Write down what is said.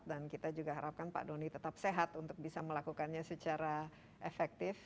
dan kita juga harapkan pak doni tetap sehat untuk bisa melakukannya secara efektif